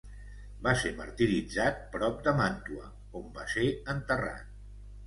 Va ser martiritzat prop de Màntua, on va ser enterrat.